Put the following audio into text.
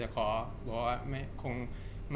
จากความไม่เข้าจันทร์ของผู้ใหญ่ของพ่อกับแม่